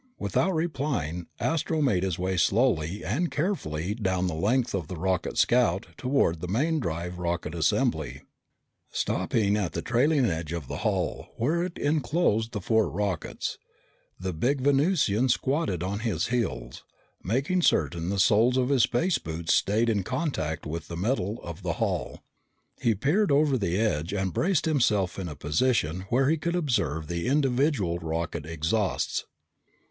Without replying, Astro made his way slowly and carefully down the length of the rocket scout toward the main drive rocket assembly. Stopping at the trailing edge of the hull, where it enclosed the four rockets, the big Venusian squatted on his heels, making certain the soles of his space boots stayed in contact with the metal of the hull. He peered over the edge and braced himself in a position where he could observe the individual rocket exhausts.